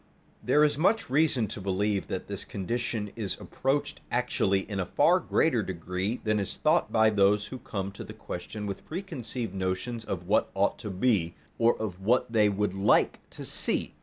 There is much reason to believe that this condition is approached actually in a far greater degree than is thought by those who come to the question with preconceived notions of what ought to be, or of what they would like to see.